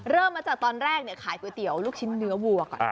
เริ่มมาจากตอนแรกขายก๋วยเตี๋ยวลูกชิ้นเนื้อวัวก่อน